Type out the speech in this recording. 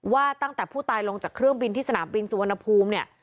ว่าตั้งแต่ผู้ตายลงจากเครื่องบินที่สนามบินสุวรรณภูมิเนี่ย